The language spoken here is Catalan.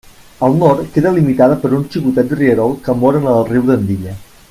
Al nord queda limitada per un xicotet rierol que mor en el riu d'Andilla.